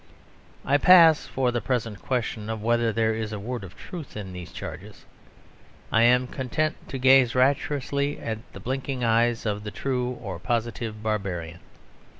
I pass for the present the question of whether there is a word of truth in these charges. I am content to gaze rapturously at the blinking eyes of the True, or Positive, Barbarian.